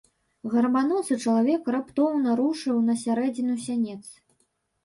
Гарбаносы чалавек раптоўна рушыў на сярэдзіну сянец.